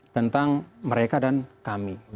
tentang mereka dan kami